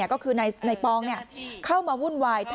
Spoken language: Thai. ก็คือนายปองเข้ามาวุ่นวาย